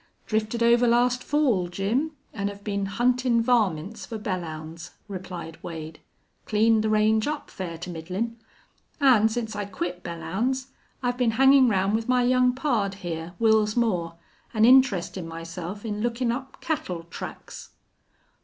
"Drifted over last fall, Jim, an' have been huntin' varmints for Belllounds," replied Wade. "Cleaned the range up fair to middlin'. An' since I quit Belllounds I've been hangin' round with my young pard here, Wils Moore, an' interestin' myself in lookin' up cattle tracks."